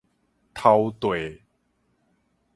頭綴